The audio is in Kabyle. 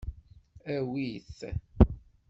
Awi-t!